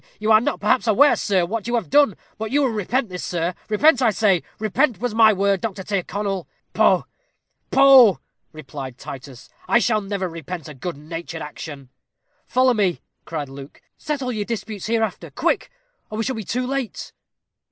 You are not perhaps aware, sir, what you have done; but you will repent this, sir repent, I say repent was my word, Mr. Tyrconnel." "Poh! poh!" replied Titus. "I shall never repent a good natured action." "Follow me," cried Luke; "settle your disputes hereafter. Quick, or we shall be too late."